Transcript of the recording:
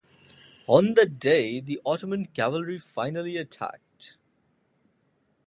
On that day the Ottoman cavalry finally attacked.